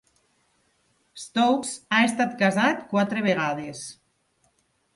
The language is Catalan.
Stokes ha estat casat quatre vegades.